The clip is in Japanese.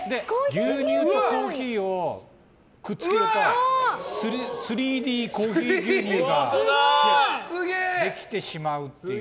牛乳とコーヒーをくっつけると３Ｄコーヒー牛乳ができてしまうっていう。